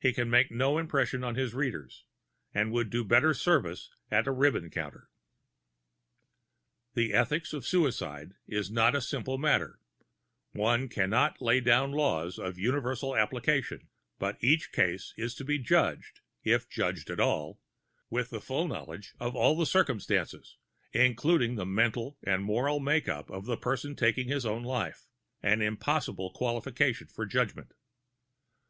He can make no impression on his reader, and would do better service at the ribbon counter. The ethics of suicide is not a simple matter; one can not lay down laws of universal application, but each case is to be judged, if judged at all, with a full knowledge of all the circumstances, including the mental and moral make up of the person taking his own life an impossible qualification for judgment.